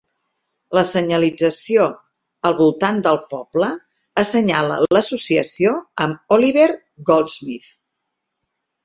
La senyalització al voltant del poble assenyala l'associació amb Oliver Goldsmith.